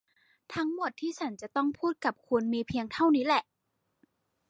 ทั้งหมดที่ฉันจะต้องพูดกับคุณมีเพียงเท่านี้แหล่ะ !